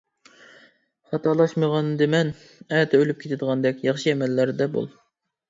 خاتالاشمىغاندىمەن؟ ئەتە ئۆلۈپ كېتىدىغاندەك ياخشى ئەمەللەردە بول.